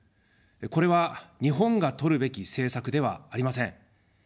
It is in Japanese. これは日本がとるべき政策ではありません。